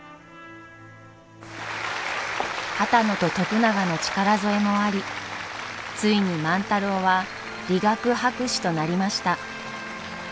波多野と徳永の力添えもありついに万太郎は理学博士となりました。